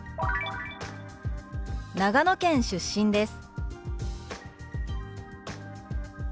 「長野県出身です」。